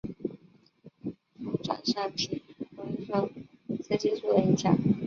柱状上皮容易受雌激素的影响。